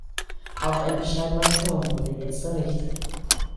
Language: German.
Auch ein bescheidener Turm wurde jetzt errichtet.